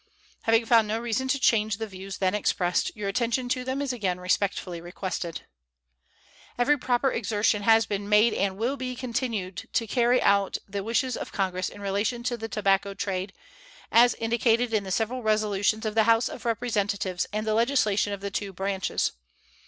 Having found no reason to change the views then expressed, your attention to them is again respectfully requested. Every proper exertion has been made and will be continued to carry out the wishes of Congress in relation to the tobacco trade, as indicated in the several resolutions of the House of Representatives and the legislation of the two branches.